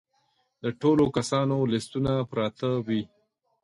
د ټولو کسانو لیستونه پراته وي.